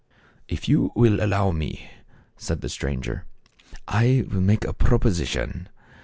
" If you will allow me," said the stranger, " I will make a proposition.